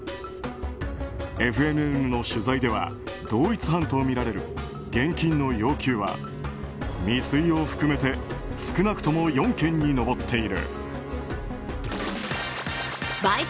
ＦＮＮの取材では同一犯とみられる現金の要求は、未遂を含めて少なくとも４件に上っている。